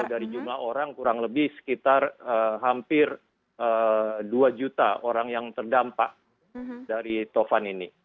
dari jumlah orang kurang lebih sekitar hampir dua juta orang yang terdampak dari tovan ini